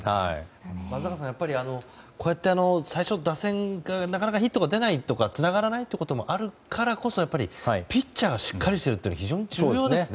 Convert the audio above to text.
松坂さん、やっぱりこうやって打線がなかなかヒットが出ないとかつながらないということもあるからこそピッチャーしっかりしているのが非常に重要ですね。